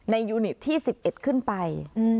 ยูนิตที่๑๑ขึ้นไป